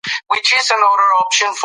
ونه بېرته شنه شوه او ګلان یې ونیول.